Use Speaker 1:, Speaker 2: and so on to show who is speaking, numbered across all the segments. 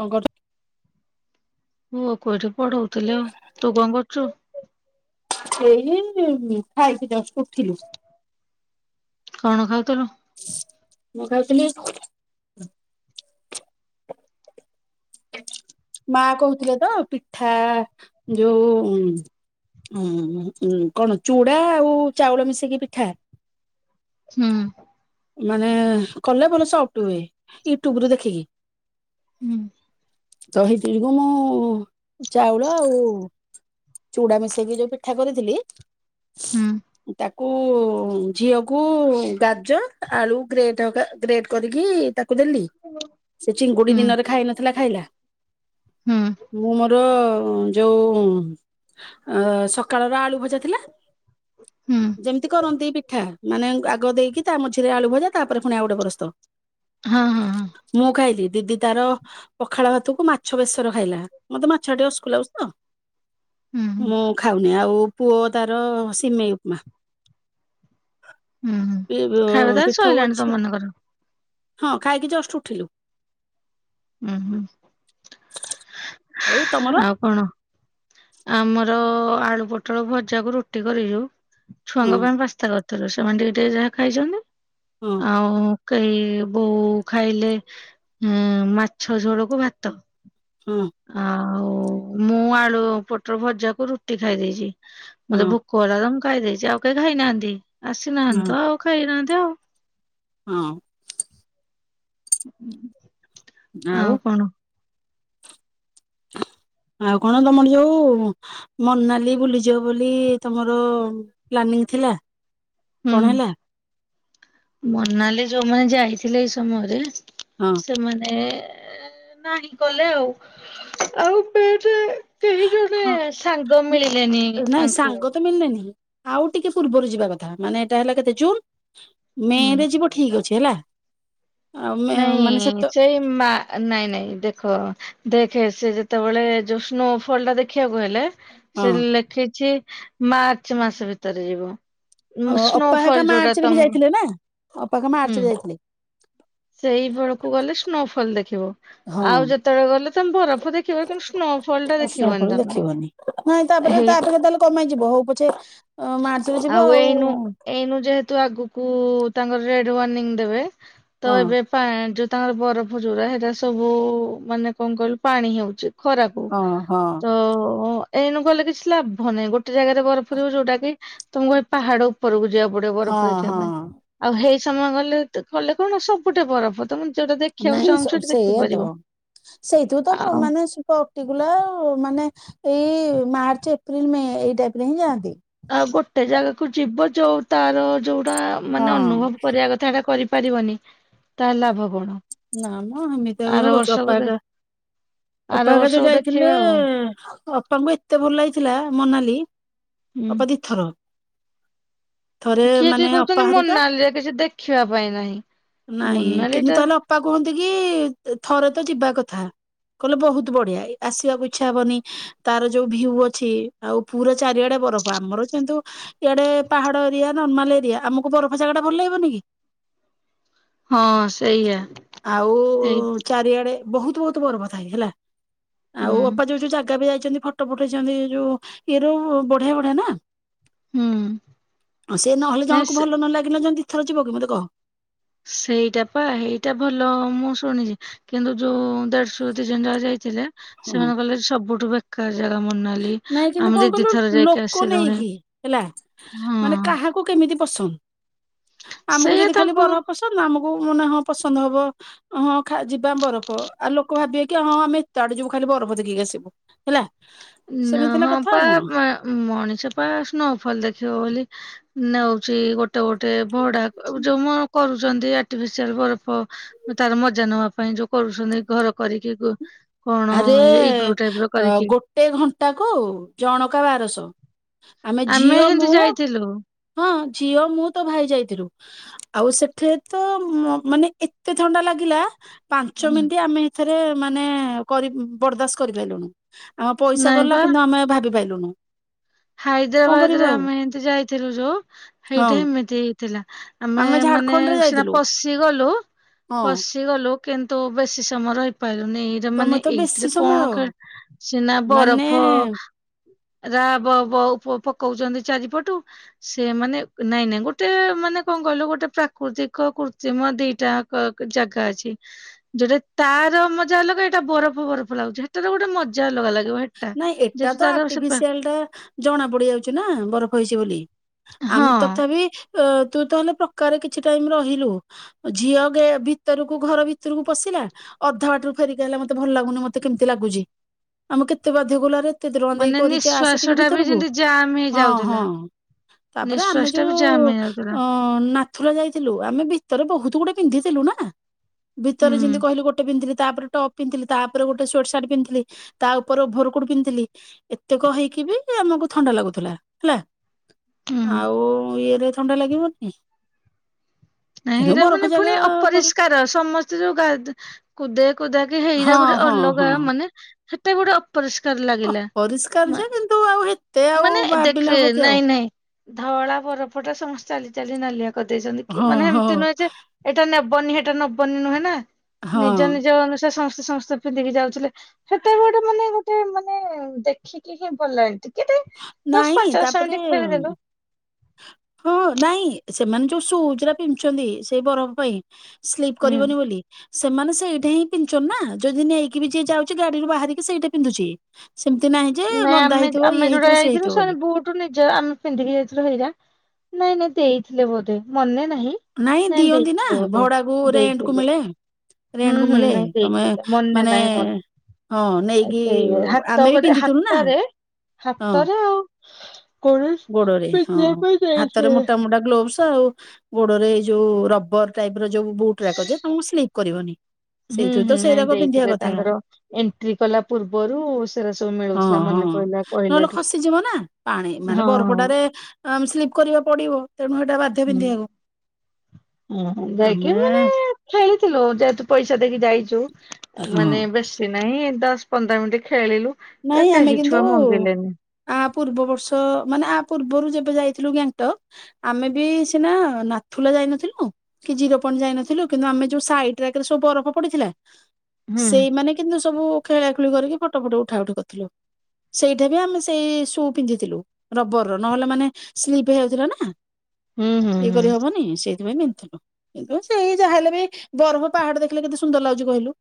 Speaker 1: କଅଁ କରୁଚ?
Speaker 2: ପୁଅକୁ ଏଠି ପଢ଼ଉଥିଲେ ଆଉ ତୁ କଣ କରୁଛୁ?
Speaker 1: ସେଇ ଖାଇକି ଜଷ୍ଟ ଉଠିଲି।
Speaker 2: କଣ ଖାଉଥିଲୁ?
Speaker 1: ମୁଁ ଖାଉଥିଲି ମା କହୁଥିଲେ ତ ପିଠା ଯଉ ହୁଁ ହୁଁ କଣ ଚୁଡ଼ା ଆଉ ଚାଉଳ ମିଶେଇକି ପିଠା।
Speaker 2: ହୁଁ।
Speaker 1: ମାନେ କଲେ ଭଲ ସଫ୍ଟ ହୁଏ ୟୁଟ୍ୟୁବ ରୁ ଦେଖିକି।
Speaker 2: ହୁଁ।
Speaker 1: ତହିଇଥି ଯୋଗୁ ମୁଁ ଚାଉଳ ଆଉ ଚୁଡା ମିଶେଇକି ଯୋଉ ପିଠା କରିଥିଲି
Speaker 2: ହୁଁ।
Speaker 1: କୁ ଝିଅ କୁ ଗାଜର ଆଳୁ ଗ୍ରେଟ ଗ୍ରେଟ କରିକି ଦେଲି ସେ ଚିଙ୍ଗୁଡି
Speaker 2: ହୁଁ
Speaker 1: ଦିନରେ ଖାଇ ନଥିଲା ଖାଇଲା
Speaker 2: ହୁଁ
Speaker 1: ମୁଁ ମୋର ଯୋଉ ଅ ସକାଳର ଆଳୁ ଭଜା ଥିଲା
Speaker 2: ହୁଁ
Speaker 1: ଯେମିତି କରନ୍ତି ପିଠା ମାନେ ଆଗ ଦେଇକି ତା ଥି ଆଳୁ ଭଜା ତାପରେ ଫୁଣି ଆଉ ଗୋଟେ ପରସ୍ତ।
Speaker 2: ହଁ ହଁ ହଁ।
Speaker 1: ମୁଁ ଖାଇଲି ଦିଦି ତାର ପଖାଳ ଭାତକୁ ମାଛ ବେସର ଖାଇଲା। ମତେ ମାଛ ଆ ଟିକେ ଅସକୁଲଉଛି ତ
Speaker 2: ହୁଁ ହୁଁ
Speaker 1: ମୁଁ ଖାଉନି ଆଉ। ପୁଅ ତାର ସିମେଇ ଉପମା।
Speaker 2: ହୁଁ ହୁଁ। ଖାଇବା ତାରଲେ
Speaker 1: ପିଠଉ
Speaker 2: ସୋଇଲାାଣି
Speaker 1: ଅଛି
Speaker 2: ତମ ମାନଙ୍କର।
Speaker 1: ହଁ ଖାଇକି ଜଷ୍ଟ ଉଠିଲୁ।
Speaker 2: ଉଁ ହୁଁ
Speaker 1: ଆଉ ତମର
Speaker 2: ଆଉ କଣ ଆମର ଆଳୁ ପୋଟଳ ଭଜାକୁ ରୁଟି କରିଛୁ।
Speaker 1: ହଁ
Speaker 2: ଛୁଆଙ୍କ ପାଇଁ ପାସ୍ତା କରିଥି ତ ରସ ମାଣ୍ ଟିକ ଟିକେ ଯାହା ଖାଇଛନ୍ତି [unintelligible]
Speaker 1: ହଁ
Speaker 2: ଆଉ। ଏହି ବୋଉ ଖାଇଲେ ଉଁ ମାଛ ଝୋଳ କୁ ଭାତ। ହଁ। ଆଉ ମୁଁ। ମତେ ଭୋକ ହେଲା ତ
Speaker 1: ହଁ
Speaker 2: ଖାଇ ଦେଇଛି ଆଉ କେହି ଖାଇନାହାନ୍ତି। ଆସିନାହାନ୍ତି
Speaker 1: ହଁ
Speaker 2: ତ ଆଉ ଖାଇନାହାନ୍ତି। ଆଉ।
Speaker 1: ହଁ।
Speaker 2: ହ ହ।
Speaker 1: ଆଉ। ଆଉ କଣ ତମର ଯୋଉ ମନାଲି ବୁଲିଯିବ ବୋଲି ତମର ପ୍ଲାନିଂ ଥିଲା।
Speaker 2: ହୁଁ
Speaker 1: କଣ ହେଲା?
Speaker 2: ମନାଲି ଯୋଉମାନେ ଯାଇଥିଲେ ଏଇ ସମୟରେ
Speaker 1: ହଁ
Speaker 2: ସେମାନେ। ନାହିଁକଲେ ଆଉ ଆଉପେରେ କେହି ଜଣେ
Speaker 1: ହଁ
Speaker 2: ସାଙ୍ଗ ମିଳିଲେନି
Speaker 1: ନାଇଁ
Speaker 2: ଆଙ୍କୁ।
Speaker 1: ସାଙ୍ଗ ତ ମିଳିଲେନି ଆଉ ଟିକେପୂର୍ବରୁ ଯିବାକଥା ମାନେ ଏଟାହେଲା କେତେ ଜୁନ୍। ମେ
Speaker 2: ହୁଁ
Speaker 1: ର ଯିବ ଠିକ ଅଛି। ହେଲା। ଆଉ ମେ ମାନେ
Speaker 2: ନାଇଁ
Speaker 1: ସେତ
Speaker 2: ସେଇ ମା ନାଇଁ ନାଇଁ ଦେଖ। ହଁ ଦେଖେ ସେ ଯେତେବେଳେ ଜୋଷ୍ଣୁ ଫଲଟା ଦେଖିବାକୁ ଗଲେ। ସେ
Speaker 1: ହଁ
Speaker 2: ଲେଖିଛି। ମାର୍ଚ୍ଚ ମାସ ଭିତରେ ଯିବୁ।
Speaker 1: ଓ ଅପା ଏକା ମାର୍ଚ୍ଚରେ ବି ଯାଇଥିଲେ ନା ଅପା କା
Speaker 2: ହୁଁ
Speaker 1: ମାର୍ଚ୍ଚରେ ଯାଇଥିଲେ।
Speaker 2: ସେଇ ବେଳକୁ ଗଲେ ସ୍ନୋଫଲ ଦେଖ
Speaker 1: ହଁ
Speaker 2: ବରଫ ଦେଖିବ କିନ୍ତୁ ସ୍ନୋଫଲ ଟା ଦେଖିବନି
Speaker 1: ସ୍ନୋଫଲ୍
Speaker 2: ତମେ
Speaker 1: ଦେଖିବନି ନାଇଁ ତାପରେ
Speaker 2: ହେଇ
Speaker 1: ତାପରେ ତାହେଲେ କମେଇଯିବ ହଉ ପଛେ ମାର୍ଚ୍ଚରେ ଯିବ
Speaker 2: ଆଉ ଏଇନୁ ଏଇନୁ ଯେହେତୁ ଆଗକୁ ତାଙ୍କର ରେଡ଼ ୱାର୍ଣ୍ଣିଂ ଦେବେ। ତ
Speaker 1: ହଁ
Speaker 2: ଏବେ ପାଆ ଜୁ ତାଙ୍କର ବରଫ ଯୋରା ହେରାସବୁ ମାନେ କଣ କହିଲୁ ପାଣି ହେଉଛି। ଖରାକୁ
Speaker 1: ହଁ ହଁ
Speaker 2: ତ। ଏଇନୁ ଗଲେ କିଛି ଲାଭ ନାହିଁ ଗୋ ଗୋଟେ ଜାଗାରେ ବରଫଥିବ ଯୋଉଟା କି! ତୁମକୁ ଏପାହାଡ ଉପରକୁ ଯିବାକୁ ଗୋଟେ
Speaker 1: ହଁ
Speaker 2: ବରଫ ଦେଖିବା ପାଇଁ
Speaker 1: ହଁ
Speaker 2: ଆଉ ହେଇ ସମେ ଗଲେ ଗଲେ କଣ ସବୁଠି ବରଫ ତମେ ଯୋଉଟା ଦେଖିବାକୁ
Speaker 1: ନାଇଁ
Speaker 2: ଚାହୁଁଛ
Speaker 1: ସ
Speaker 2: ସେଠି
Speaker 1: ସେଇଆତ
Speaker 2: ଦେଖିପାରିବ।
Speaker 1: ସେଇଥିରୁତ
Speaker 2: ଆଉ
Speaker 1: ମାନେ କଟିଗୁଲା ମାନେ ଏଇ ମାର୍ଚ୍ଚ ଏପ୍ରିଲ ମେ ଏଇ ଟାଇମରେ ହିଁ ଯାଆନ୍ତି।
Speaker 2: ଆ ଗୋଟେ ଜାଗାକୁ ଯିବ ଯୋଉ ତାର ଯୋଉ ତା ମାନେ
Speaker 1: ହଁ
Speaker 2: ଅନୁଭବ କରିବା କଥାଟା କରି ପାରିବନି ତାହାଲେ ଲାଭ କଣ।
Speaker 1: ନାମ ହେମିତିଆଉ ବି
Speaker 2: ଆର
Speaker 1: ହବ କି
Speaker 2: ବର୍ଷକୁ
Speaker 1: ଅପା
Speaker 2: ଦେ
Speaker 1: ହେକା
Speaker 2: ଆର
Speaker 1: ଅପା ହେକା ଯୋଉ
Speaker 2: ବର୍ଷକୁ ଦେଖିବା
Speaker 1: ଯାଇଥିଲେ।
Speaker 2: ଆଉ।
Speaker 1: ଅପାଙ୍କୁ ଏତେଭଲ ଲାଗିଥିଲା ମନାଲି।
Speaker 2: ହୁଁ
Speaker 1: ଅପା ଦିଥର ଥରେ
Speaker 2: କିଏ
Speaker 1: ମାନେ
Speaker 2: କିଏ
Speaker 1: ଅପା
Speaker 2: କହୁଛନ୍ତି
Speaker 1: ହାରିକା
Speaker 2: ମୋନାଲିରେ କିଛି ଦେଖିବା ପାଇଁ ନାହିଁ
Speaker 1: ନାଇଁ
Speaker 2: ମୋନାଲି
Speaker 1: କିନ୍ତୁ
Speaker 2: ଟା
Speaker 1: ତାହେଲେ ଅପା କୁହନ୍ତି କି ଥରେ ତ ଯିବା କଥା କହିଲେ ବହୁତ ବଢିଆ ଆସିବାକୁ ଇଚ୍ଛା ହବନି ତାର ଯୋଉ ଭିୟୁ ଅଛି। ଆଉ ପୁରା ଚାରିଆଡେ ବରଫ ଆମର ଯେହେତୁ ଇଆଡେ ପାହାଡ ଏରିଆ ନର୍ମାଲ ଏରିଆ ଆମକୁ ବରଫ ଜାଗା ଟା ଭଲ ଲାଗିବନି କି।
Speaker 2: ହଁ ସେଇଆ।
Speaker 1: ଆଉ
Speaker 2: ହେଇ
Speaker 1: ଚାରିଆଡେ ବହୁତ ବହୁତ ବର କଥା ହେଇ ହେଲା।
Speaker 2: ହୁଁ
Speaker 1: ଆଉ ଅପା ଯୋଉ ଯୋଉ ଜାଗା ବି ଯାଇଛନ୍ତି ଫ ପଟ ପଠେଇଛନ୍ତି ଯୋଉ ଇଏ ର ବଢିଆ ବଢିଆ ନା
Speaker 2: ହୁଁ
Speaker 1: ଆଉ ସେ ନହେଲେ
Speaker 2: ନାଇଁ
Speaker 1: ଜଣକୁ
Speaker 2: ସେ
Speaker 1: ଭଲ ନ ଲାଗିଲ ଯେମି [unintelligible] କି ମୋତେ କହ।
Speaker 2: ସେଇଟା ପା ହେଇଟା ଭଲ ମୁଁ ଶୁଣିଚି କିନ୍ତୁ ଯୋଉ ଦେଢଶୁ ଦି ଜଣ ଯାକ ଯାଇଥିଲେ ସେମାନେ କହିଲେ ସବୁଠୁ ବେକାର ଜାଗା ମୋନାଲି।
Speaker 1: ନାଇଁ କିନ୍ତୁ
Speaker 2: ଆମେ ଦି
Speaker 1: କଣ
Speaker 2: ଦି
Speaker 1: କହିଲୁ
Speaker 2: ଥର ଯାଇକି
Speaker 1: ଲୋକ
Speaker 2: ଆସିଲୁଣି
Speaker 1: ନେଇକି ହେଲା
Speaker 2: ହଁ
Speaker 1: ମାନେ କାହାକୁ କେମିତି ପସନ୍ଦ ଆମକୁ
Speaker 2: ସେଇଆ
Speaker 1: ଯଦି ଖାଲି
Speaker 2: ତାଙ୍କୁ
Speaker 1: ବରଫ ପସନ୍ଦ ଆମକୁ କୋଉ ମନେ ହଁ ପସନ୍ଦ ହବ ହଁ ଖା ଯିବା ବରଫ ଆଉ ଲୋକ ଭାବିବେ କି ହଁ ଆମେ ତା ଆଡେ ଯିବୁ ଖାଲି ବରଫ ଦେଖିକି ଆସିବୁ ହେଲା
Speaker 2: ନା
Speaker 1: ସେମିତି ହେଲା
Speaker 2: ହଁ
Speaker 1: କଥା
Speaker 2: ପା
Speaker 1: ଆଉ କଣ
Speaker 2: ପା ମଣିଷ ପା ସ୍ନୋଫଲ ଦେଖିବ ବୋଲି ନଉଚି ଗୋଟେ ଗୋଟେ ଭଡା ଯୋଉ ମ୍ କରୁସନ୍ତି ଆର୍ଟିଫିସିଆଲ ବରଫ ତାର ମଜା ନେବା ପାଇଁ ଯୋଉ କରୁଚନ୍ତି ଘର କରିକି କଣ
Speaker 1: ଆରେ
Speaker 2: ଇଗ୍ଲୁ ଟାଇପ ର
Speaker 1: ଅ
Speaker 2: କରିକି
Speaker 1: ଗୋଟେ ଘଣ୍ଟା ଣ୍ଟା କୁ ଜଣକା ବାରଶହ। ଆମେ ଝିଅ
Speaker 2: ହେନ୍ତି
Speaker 1: ମୁଁ
Speaker 2: ଯାଇଥିଲୁ
Speaker 1: ହଁ ଝିଅ ମୁଁ ତୋ ଭାଇ ଯାଇଥିଲୁ। ଆଉ ସେଠ ତ ମ ମାନେ ଏତେ ଥଣ୍ଡା ଲାଗିଲା ପାଞ୍ଚ ମିନିଟ୍ ଆମେ ହେଇଥେର ଥିରେ ମାନେ କରି ବରଦାସ୍ତ କରିପାରିଲୁନି। ଆମ ପଇସା ଗଲା କିନ୍ତୁ ଆମେ ଭାବି ପାରିଲୁନୁ।
Speaker 2: ହାଇଦ୍ରାବାଦ ରେ ଆମେ ଏନ୍ତି ଯାଇଥିଲୁ ଯୋଉ
Speaker 1: ହଁ।
Speaker 2: ହେଇଠେ ଏମିତି ହେଇଥିଲା ଆମେ ମାନେ
Speaker 1: ଝାଡଖଣ୍ଡରେ
Speaker 2: ସିନା
Speaker 1: ଯାଇଥିଲୁ
Speaker 2: ପଶି ଗଲୁ
Speaker 1: ହଁ
Speaker 2: ପଶି ଗଲୁ କିନ୍ତୁ ବେଶୀ ସମୟ ରହିପାର ଦନ ଏଇର
Speaker 1: ତମେ
Speaker 2: ମାନେ
Speaker 1: ତ ବେଶୀ
Speaker 2: ଏଇଥିରେ
Speaker 1: ସମୟ
Speaker 2: କଣ କା ସିନା
Speaker 1: ମାନେ
Speaker 2: ବରଫ ରାବ ବ ପକଉଚନ୍ତି ଚାରିପଟୁ ସେ ମାନେ ନାଇଁ ନାଇଁ ଗୋଟେ ମାନେ କଣ କହିଲୁ ଗୋଟେ ପ୍ରାକୃତିକ କୃତ୍ରିମ ଦିଟା ଆକ ଜାଗା ଅଛି ଯୋଉଟା ତାର ମଜା ଅଲଗା ଏଇଟା ବରଫ ବରଫ ଲାଗୁଚି ହେଟାର ଗୋଟେ ମଜାଲଗା ଲାଗିବ ହେଟା
Speaker 1: ନାଇଁ ଏଟା ତ
Speaker 2: ଯେହେତୁ ତାର ସେ ପା
Speaker 1: ଆର୍ଟିଫିସିଆଲ ଟା ଜଣା ପଡି ଯାଉଚି ନା ବରଫ ହେଇଚି ବୋଲି। ଆମ
Speaker 2: ହଁ
Speaker 1: ତଥାପି ଅ ତୁ ତ ହେଲେ ପ୍ରକାରେ କିଛି ଟାଇମ୍ ରହିଲୁ ଝିଅ ଗେ ଭିତରକୁ ଘର ଭିତରକୁ ପଶିଲା ଅଧା ବାଟରୁ ଫେରିକି ଆଲା ମତେ ଭଲ ଲାଗୁନି ମତେ କେମିତି ଲାଗୁଚି। ଆମେ କେତେ ବାଧ୍ୟ କଲୁ ଆରେ ଏତେ ଟଙ୍କା ଦେଇକି
Speaker 2: ମାନେ
Speaker 1: କରିଚେ ଆସେ
Speaker 2: ନିଃଶ୍ଵାସ
Speaker 1: ଟିକେ
Speaker 2: ଟା ବି
Speaker 1: ଭିତରକୁ
Speaker 2: ଯେମିତି ଜାମ୍
Speaker 1: ହଁ ହଁ
Speaker 2: ହେଇଯାଉଥିଲା
Speaker 1: ତାପରେ
Speaker 2: ନିଃଶ୍ଵାସ
Speaker 1: ଆମେ
Speaker 2: ଟା
Speaker 1: ଯୋଉ
Speaker 2: ବି ଜାମ୍ ହେଇଯାଉଥିଲା
Speaker 1: ଅ ନା ଥୁରା ଯାଇଥିଲୁ ଆମେ ଭିତରେ ବହୁତ ଗୁଡେ ପିନ୍ଧିଥିଲୁ ନା ଭିତରେ
Speaker 2: ହୁଁ
Speaker 1: ଯେମିତି କହିଲୁ ଗୋଟେ ପିନ୍ଧିଥିଲି ତାପରେ ଟପ୍ ପିନ୍ଧିଲ ତାପ ଗୋଟେ ସଟ୍ ସାଟ୍ ପିନ୍ଥିଲି ତା ଉପରେ ଭରକୁଟୁ ପିନ୍ଧଥିଲି ଏତେକ ହେଇକି ବି ଆମକୁ ଥଣ୍ଡା ଲାଗୁଥିଲା ହେଲା।
Speaker 2: ହୁଁ
Speaker 1: ଆଉ ଇଏରେ ଥଣ୍ଡା ଲାଗିବନି?
Speaker 2: ନାଇଁ
Speaker 1: କିନ୍ତୁ
Speaker 2: ହେରା
Speaker 1: ବରଫ
Speaker 2: ମାନେ ପୁଣି
Speaker 1: ଜାଗା ବର
Speaker 2: ଅପରିଷ୍କାର ସମସ୍ତେ ଯୋଉ ଗାଧ୍ କୁଦେକୁଦା
Speaker 1: ହଁ
Speaker 2: ହେଇରା ଗୋଟେ
Speaker 1: ହଁ
Speaker 2: ଅଲଗା
Speaker 1: ହଁ
Speaker 2: ମାନେ ସେତେ ଗୋଡ ଅପରିଷ୍କାର ଲାଗିଲା
Speaker 1: ଅପରିଷ୍କାର
Speaker 2: ମା
Speaker 1: ଯେ କିନ୍ତୁ ଆଉ ଏତେ ଆଉ
Speaker 2: ମାନେ
Speaker 1: ଭାବିଲେ
Speaker 2: ଦେଖେ
Speaker 1: ହବ କି ଆଉ
Speaker 2: ନାଇଁ ନାଇଁ ଧଳା ବରଫଟା ସମସ୍ତେ ଚାଲି ଚାଲି ନାଲିଆ କରିଦେଇଛି।
Speaker 1: ହଁ
Speaker 2: ମାନେ
Speaker 1: ହଁ
Speaker 2: ଏମିତି ନୁହେଁ ଯେ ଏଇଟା ନେବ୍ ନବନି ସେଟା ନବନି ନୁହେଁ ନା। ନିଜ
Speaker 1: ହଁ
Speaker 2: ନିଜ ଅନୁସାରେ ସମସ୍ ସମସ୍ତେ ପିନ୍ଧିକି ଯାଉଥିଲେ ସେତେବେଳେ ଗୋଟେ ମାନେ ଗୋଟେ ମାନେ ଦେଖିକି ହିଁ ଭଲ ଲାଗନ୍ତି।
Speaker 1: ନାଇଁ ତାପରେ, ହଁ ନାଇଁ ସେମାନେ ଯୋଉ ସୁଉଜରା ପିନ୍ଧୁଛନ୍ତି ସେଇ ବରଫ ପାଇଁ ସ୍ଲିପ
Speaker 2: ହୁଁ।
Speaker 1: କରିବନି ବୋଲି ସେମାନେ ସେଇଟା ହିଁ ପିନ୍ଧୁଛନ୍ତି ନା, ଯଦି ନେଇକି ବି ଯିଏ ଯାଉଛି ଗାଡିରୁ ବାହାରିକି ସେଇଟା ପିନ୍ଧୁଛି। ସେମିତି ନାହିଁ ଯେ
Speaker 2: ନାଇଁ
Speaker 1: ଗନ୍ଦା
Speaker 2: ଆମେ
Speaker 1: ହେଇଥିବ ଇଏ ହେଇ
Speaker 2: [inaudible] ଯାଇଥିଲୁ [inaudible] ବୁଟ ନିଜେ ଆମେ ପିନ୍ଧିକି ଯାଇଥିଲୁ ହେରା ନାଇଁ ନାଇଁ ଦେଇଥିଲେ ବୋଧେ ମନେ ନାହିଁ
Speaker 1: ନାଇଁ ଦିଅନ୍ତି ନା,
Speaker 2: ଦେଇଥିଲେ ବୋଧେ
Speaker 1: ଭଡାକୁ ରେଣ୍ଟକୁ
Speaker 2: ଦେଇଥିଲେ
Speaker 1: ମିଳେ।
Speaker 2: ହୁଁ
Speaker 1: ରେଣ୍ଟକୁ
Speaker 2: ହୁଁ
Speaker 1: ମିଳେ
Speaker 2: ନାଇଁ
Speaker 1: ତମେ
Speaker 2: ଦେଇଥିଲେ ମନେ ନାହିଁ
Speaker 1: ମାନେଏ-ଏ
Speaker 2: ମୋର
Speaker 1: ହଁ ନେଇକି
Speaker 2: ସେଇ ହାତ
Speaker 1: ଆମେ ବି
Speaker 2: ଗୋଟେ
Speaker 1: ପିନ୍ଧିଥିଲୁ ନା,
Speaker 2: ହାତରେ
Speaker 1: ହଁ।
Speaker 2: କଣ
Speaker 1: ଗୋଡରେ ହଁ
Speaker 2: ପିକିନିକ୍ ପାଇଁ
Speaker 1: ହାତରେ
Speaker 2: ଯାଇଛି।
Speaker 1: ମୋଟା [inaudible] ଆଉ ଗୋଡରେ ଏଇ ଯୋଉ ରବର ଟାଇପ୍ ର ଯୋଉ ବୁଟରାକ ଯେ ତମକୁ ସ୍ଲିପ୍ କରିବନି।
Speaker 2: ହୁଁ
Speaker 1: ସେଇଥିରେ ତ
Speaker 2: ହୁଁ ନାଇଁ
Speaker 1: ସେଇରାକ ପିନ୍ଧିବା
Speaker 2: ଦେଇଥିଲେ
Speaker 1: କଥା
Speaker 2: ତାଙ୍କର ଏଣ୍ଟ୍ରି କଲା ପୂର୍ବରୁ ସେରା ସବୁ
Speaker 1: ହଁ
Speaker 2: ମିଳୁଥିଲା
Speaker 1: ହଁ
Speaker 2: ମନେ ପଡିଲା
Speaker 1: ନହେଲେ
Speaker 2: କହିଲାଠୁ।
Speaker 1: ଖସିଯିବ ନା ପାଣି ମାନେ
Speaker 2: ହଁ
Speaker 1: ବରଫଡା଼ରେ ଆଁ ଆମେ ସ୍ଲିପ୍ କରିବା ପଡିବ। ତେଣୁ ଏଇଟା ବାଧ୍ୟ
Speaker 2: ହୁଁ
Speaker 1: ପିନ୍ଧିବାକୁ
Speaker 2: ଉଁ ହୁଁ ଯାଇକି
Speaker 1: ଆମେ
Speaker 2: ମାନେ ଖେଳିଥିଲୁ ଯେହେତୁ ପଇସା ଦେଇକି ଯାଇଛୁ
Speaker 1: ହଁ
Speaker 2: ମାନେ ବେଶୀ ନାଇଁ ଦଶ ପନ୍ଦର ମିିନିଟ୍ ଖେ
Speaker 1: ନାଇଁ ଆମେ କିନ୍ତୁ ଆ ପୂର୍ବ ବର୍ଷ ମାନେ ଆ ପୂର୍ବରୁ ଯେବେ ଯାଇଥିଲୁ ଗ୍ୟାଙ୍ଗଟକ୍ ଆମେ ବି ସିନା ନାଥୁଲା ଯାଇନଥିଲୁ କି ଜିରୋ ପଏଣ୍ଟ ଯାଇନଥିଲୁ କିନ୍ତୁ ଆମେ ଯୋଉ ସାଇଟରେକା ସବୁ ବରଫ ପଡିଥିଲା।
Speaker 2: ହୁଁ
Speaker 1: ସେଇମାନେ କିନ୍ତୁ ସବୁ ଖେଳାଖୁଳି କରିକି ଫୋଟୋ ଫୋଟୋ ଉ ଉଠା ଉଠି କରିଥିଲୁ ସେଇଠା ବି ଆମେ ସେଇ ସୁ ପିନ୍ଧିଥିଲୁ ରବର ର ନହେଲେ ମାନେ ସ୍ଲିପ ହେଇଯାଉଥିଲା ନା।
Speaker 2: ହୁଁ ହୁଁ
Speaker 1: ଇଏ
Speaker 2: ହୁଁ
Speaker 1: କରି ହବନି ସେ [unintelligible] ସେଇ ଯାହା ହେଲେ ବି ବରଫ ପାହାଡ ଦେଖିଲେ କେତେ ସୁନ୍ଦର ଲାଗୁଛି କହିଲୁ?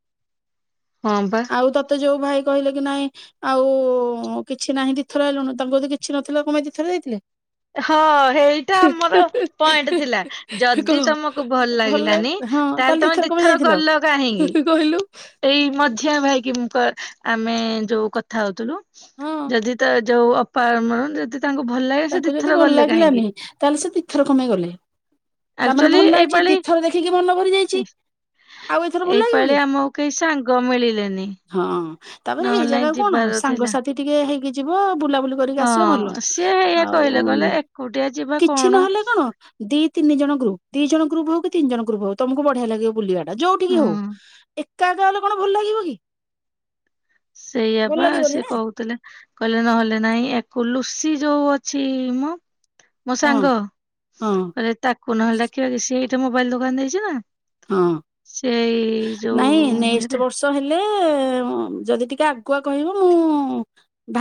Speaker 2: ହଁ ବା
Speaker 1: ଆଉ ତତେ ଯୋଉ ଭାଇ କହିଲେ କି ନାଇଁ ଆଉ କିଛି ନାହିଁ ଦିଥର ହେଲୁଣି ତାଙ୍କୁ ଯଦି କିଛି ନଥିଲା କଣ ପାଇଁ ଦି ଥରେ ଯାଇଥିଲେ?
Speaker 2: ହଁ ଏଇଟା ଆମର ପଏଣ୍ଟ ଥିଲା ଯଦି
Speaker 1: କହ
Speaker 2: ତମକୁ ଭଲ ଲାଗିଲାନି
Speaker 1: ଲାଗିଲା। ହଁ
Speaker 2: ତାହେଲେ ତମେ
Speaker 1: ଦିଥର
Speaker 2: ଦିଇ
Speaker 1: କଣ ପାଇଁ
Speaker 2: ଥର
Speaker 1: ଯାଇଥିଲ
Speaker 2: ଗଲ କାହିଁକି
Speaker 1: କହିଲୁ?
Speaker 2: ଏଇ ମଝିଆ ଭାଇକି ଆ ଆମେ ଯୋଉ କଥା ହଉଥିଲୁ
Speaker 1: ହଁ
Speaker 2: ଯଦି ତ ଯୋଉ ଅପାମ ଯଦି ତାଙ୍କୁ ଭଲ ଲାଗେ ସେ
Speaker 1: ତାଙ୍କୁ
Speaker 2: ଦି
Speaker 1: ଯଦି ଭଲ ଲାଗିଲାନି ତାହେଲେ ସେ ଦିଥର କଣ ପାଇଁ ଗଲେ ତା ମାନେ
Speaker 2: ଆକ୍ଚୁଆଲି
Speaker 1: ଭଲ ଲାଗିଛି
Speaker 2: ଏଇପାଳି
Speaker 1: ଦିଥର ଦେଖିକି ମନ ଭରି ଯାଇଛି ଆଉ ଏଥର ଭଲ ଲାଗିବ କି?
Speaker 2: ଏଇପାଳି ଆମକୁ କେହି ସାଙ୍ଗ ମିଳିଲେନି
Speaker 1: ହଁ। ହଁ। ତାପରେ ହେଇ
Speaker 2: ନହେଲେ ନାଇଁ
Speaker 1: ଜାଗା କଣ
Speaker 2: ଯିବାର ଥିଲା
Speaker 1: ସାଙ୍ଗସାଥି ଟିକେ ହେଇକି ଯିବ ବୁଲା
Speaker 2: ହଁ ସିଏ ହେଇ
Speaker 1: ଆଉ କିଛି ନହେଲେ କଣ ଦି ତିନି ଜଣ ଗ୍ରୁପ୍ ଦି ଜଣ ଗ୍ରୁପ୍ କି ତିିନିଜଣ ଗ୍ରୁପ୍ ତମକୁ ବଢି଼ଆ ଲାଗିବ ବୁଲିବା। ଯଉ ଠିକି ହଉ
Speaker 2: ହଁ
Speaker 1: ଏକ ଏକା ଏକା ଗଲେ କଣ ଭଲ ଲାଗିବ କି?
Speaker 2: ସେଇଆ
Speaker 1: ଭଲ
Speaker 2: ବା
Speaker 1: ଲାଗିବନି
Speaker 2: ସେ
Speaker 1: ନା
Speaker 2: କହୁଥିଲେ କହିଲେ ନହେଲେ ନାଇଁ କୁଲୁ ସି ଯୋଉ ଅଛି ମୁଁ ମୋ
Speaker 1: ହଁ
Speaker 2: ସାଙ୍ଗ
Speaker 1: ହଁ
Speaker 2: କଲେ ତାକୁ ନହେଲେ ଡାକିବା କି ସେ ମୋବାଇଲ ଦୋକାନ ଦେଇଛି ନା।
Speaker 1: ହଁ
Speaker 2: ସେଇ ଯୋଉ
Speaker 1: ନାଇଁ ନେଷ୍ଟ
Speaker 2: ଇଏରେ
Speaker 1: ବର୍ଷ ହେଲେ ଯଦି ଟିକେ ଆଗୁଆ କହିବ। ମୁଁ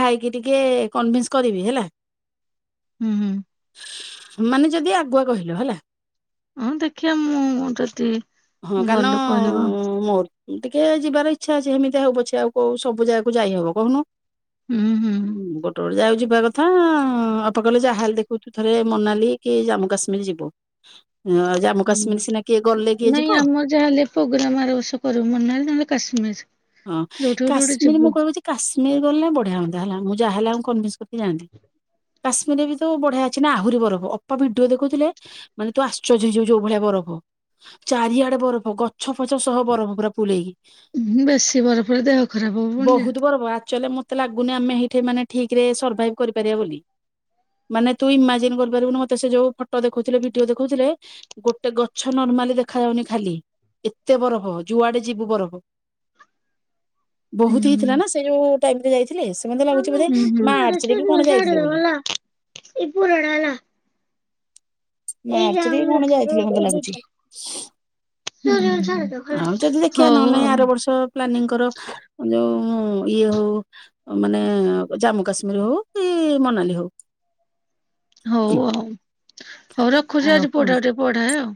Speaker 1: ଭାଇକି ଟିକେ କନ୍ଭେନସ୍ କରିବି ହେଲା।
Speaker 2: ହୁଁ ହୁଁ।
Speaker 1: ମାନେ ଯଦି ଆଗୁଆ କହିଲ ହେଲା।
Speaker 2: ହଁ ଦେଖିବା ମୁଁ ଯଦି
Speaker 1: ହଁ, କାରଣ
Speaker 2: ଗଲୁ କହିବ
Speaker 1: ମୋ ଟିକେ ଯିବାର ଇଚ୍ଛା ଅଛି ସେମିତି ହଉ ପଛେ ଆଉ କଉ ସବୁ ଜାଗାକୁ ଯାଇ ହବ କହୁନୁ। ହୁଁ ଗୋଟେ ଗୋଟେ ଜାଗାକୁ କଥା ଅପା କହିଲେ ଯା ହେଲେ ଦେଖିବୁ ତୁ ଥରେ ମୋନାଲି କି ଜାମ୍ମୁକାଶ୍ମୀର ଯିବୁ। ହୁଁ ଆଉ
Speaker 2: ହୁଁ।
Speaker 1: ଜାମ୍ମୁକାଶ୍ମୀର ସିନା କିଏ ଗଲେ। କିଏ ଯିବ
Speaker 2: ନାଇଁ ଆମ ଯାହା ହେଲେ ପ୍ରୋଗ୍ରାମ ଆର ବର୍ଷକୁ କରିବୁ ମ ନା ନା କାଶ୍ମୀର।
Speaker 1: ହଁ
Speaker 2: ଯୋଉଠି ହେଲେ ଗୋଟେ
Speaker 1: କାଶ୍ମୀର
Speaker 2: ଯିବୁ।
Speaker 1: ମୁଁ କହିବି ଯେ କାଶ୍ମୀର କାଶ୍ମୀର ଗଲେ ବଢିଆ ହୁଅନ୍ତା ହେଲା। ମୁଁ ଯାହା ହେଲେ ଆଙ୍କୁ କନ୍ଭେସ କରିକି ଯାଆନ୍ତି। କାଶ୍ମୀର ଏବେ ତ ବଢିଆ ଅଛି ନା ଆହୁରି ବରଫ ଅପା ଭିଡିଓ ଦେଖୋଉଥିଲେ ମାନେ ତୁ ଆଶ୍ଚର୍ଯ୍ୟ ହେଇଯିବୁ ଯୋଉ ଭଳିଆ ବରଫ। ଚାରିଆଡେ ବରଫ ଗଛ ଫଛ ସହ ବରଫ ପୁରା ଫୁଲ୍ ହେଇକି।
Speaker 2: ହୁଁ। [unintelligible] ଆସିବାର ପରେ ଦେହ ଖରାପ ହବ ପୁଣିି ଯେ।
Speaker 1: ଯାହେଲେ ମତେ ଲାଗୁନି ଆମେ ସେଇଠି ମାନେ ଠିକରେ ସର୍ଭାଇଭ କରିପାରିବା ବୋଲି। ମାନେ ତୁ ଇମାଜିନ କରିପାରିବୁନି ମତେ ସେ ଯୋଉ ଫଟୋ ଦେଖୋଉଥିଲେ ଭିଡିଓ ଦେଖୋଉଥିଲେ ଗୋଟେ ଗଛ ନର୍ମାଲି ଦେଖାଯାଉନି ଖାଲି। ଏତେ ବରଫ ଯୁଆଡେ ଯିବୁ ବରଫ।
Speaker 2: ହୁଁ
Speaker 1: ବହୁତ ହେଇଥିଲା
Speaker 2: ହୁଁ।
Speaker 1: ନା ସେ ଯୋଉ ଟାଇମରେ ଯାଇଥିଲେ। ସେ ମୋତେ ଲାଗୁଛି
Speaker 2: ମମି
Speaker 1: ବୋଧେ
Speaker 2: ଏ ପୁରାଣ
Speaker 1: ମାର୍ଚ୍ଚ
Speaker 2: ସେ
Speaker 1: ରେ କି କଣ
Speaker 2: ଝାଡୁ
Speaker 1: ଯାଇଥିଲେ
Speaker 2: ଦବ
Speaker 1: ବୋଲି।
Speaker 2: ହେଲା ଏ ପୁରାଣ ହେଲା। ଏଇ
Speaker 1: ମାର୍ଚ୍ଚ ରେ କି କଣ ଯାଇଥିଲେ ମତେ ଲାଗୁଛି।
Speaker 2: ଏଡିଟ [inaudible]
Speaker 1: ଆଉ ଯଦି ଦେଖିବା ନହେଲେ
Speaker 2: ହଉ
Speaker 1: ନାଇ
Speaker 2: ଆଉ
Speaker 1: ଆର ବର୍ଷ ପ୍ଲାନିଂ କର ଯୋଉ ହୁଁ ଇଏ ହଉ। ମାନେ ଜାମ୍ମୁ କାଶ୍ମୀର। କି ମନାଲି ହଉ।
Speaker 2: ହଉ ହଉ, ହଉ ରଖୁଛି ଯାଉଚି ପୁଅଟାକୁ ଟିକେ ପଢାଏ ଆଉ।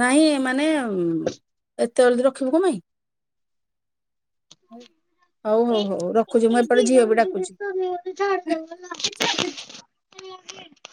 Speaker 1: ନାହିଁ ମାନେ ହୁଁ। ଏକାବେଳେ ତୁ ରଖିବୁ କଣ ପାଇଁ? ହଉ ହଉ
Speaker 2: ଏ
Speaker 1: ହଉ ରଖୁଛି ମୁଁ
Speaker 2: ଏଇ
Speaker 1: ଏପଟେ
Speaker 2: ଦିଟା
Speaker 1: ଝିଅ
Speaker 2: ମୁଁ
Speaker 1: ବି
Speaker 2: ଟିକେ
Speaker 1: ଡାକୁଛି।
Speaker 2: ସରିଗଲେ ଛାଡିଦବ ହେଲା।